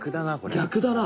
逆だな。